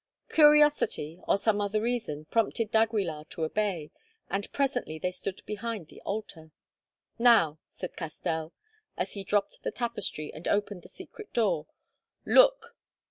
Curiosity, or some other reason, prompted d'Aguilar to obey, and presently they stood behind the altar. "Now," said Castell, as he drew the tapestry and opened the secret door, "look!"